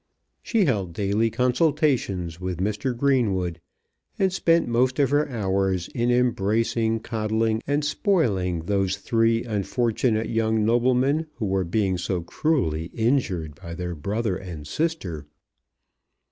She held daily consultations with Mr. Greenwood, and spent most of her hours in embracing, coddling, and spoiling those three unfortunate young noblemen who were being so cruelly injured by their brother and sister.